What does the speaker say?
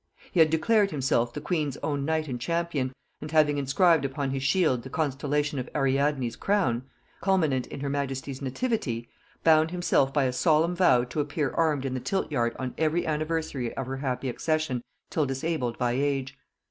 He had declared himself the queen's own knight and champion, and having inscribed upon his shield the constellation of Ariadne's Crown, culminant in her majesty's nativity, bound himself by a solemn vow to appear armed in the tilt yard on every anniversary of her happy accession till disabled by age.